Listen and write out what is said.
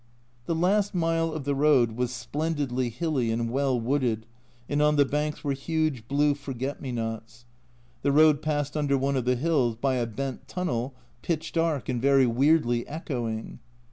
The last mile of the road was splen didly hilly and well wooded, and on the banks were huge blue forget me nots. The road passed under one of the hills by a bent tunnel, pitch dark, and very weirdly echoing.